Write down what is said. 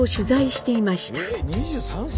え２３歳？